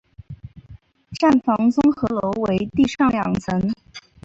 站房综合楼为地上两层。